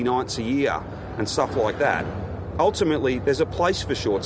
atau beberapa yang berlimit sembilan puluh ribu per tahun dan hal seperti itu